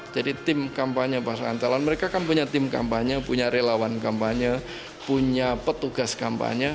jadi tim kampanye pasangan calon mereka kan punya tim kampanye punya relawan kampanye punya petugas kampanye